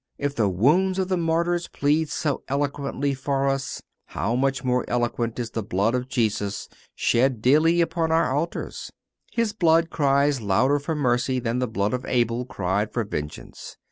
If the wounds of the Martyrs plead so eloquently for us, how much more eloquent is the blood of Jesus shed daily upon our altars? His blood cries louder for mercy than the blood of Abel cried for vengeance.